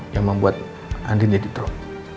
yang membuat andin jadi teruk